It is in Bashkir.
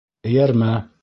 Эйәрмә!